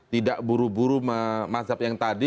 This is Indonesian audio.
tidak buru buru mazhab yang tadi